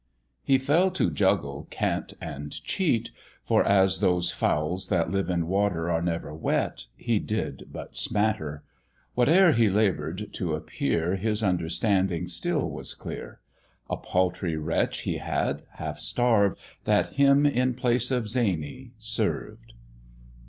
He fell to juggle, cant, and cheat ... For as those fowls that live in water Are never wet, he did but smatter; Whate'er he labour'd to appear, His understanding still was clear. A paltry wretch he had, half starved, That him in place of zany served.